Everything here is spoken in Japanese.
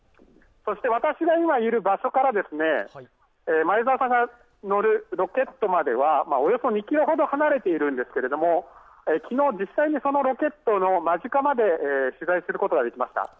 私が今いる場所から前澤さんが乗るロケットまではおよそ２ｋｍほど離れているんですけれども、昨日、実際にそのロケットの間近まで取材することができました。